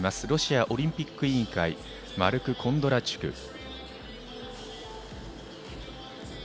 ロシアオリンピック委員会のマルク・コンドラチュク。